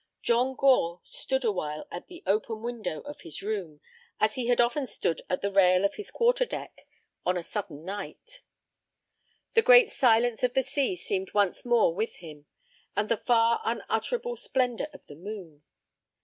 John Gore stood awhile at the open window of his room, as he had often stood at the rail of his quarter deck on a southern night. The great silence of the sea seemed once more with him, and the far unutterable splendor of the moon.